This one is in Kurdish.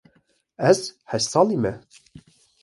Ez heşt salî me.